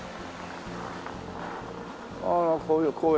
ああこういう公園。